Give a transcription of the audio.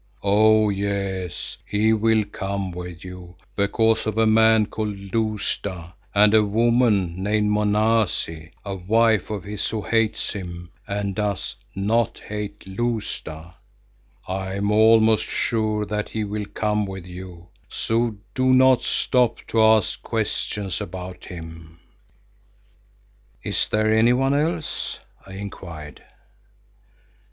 Oh! yes, he will come with you—because of a man called Lousta and a woman named Monazi, a wife of his who hates him and does—not hate Lousta. I am almost sure that he will come with you, so do not stop to ask questions about him." "Is there anyone else?" I inquired.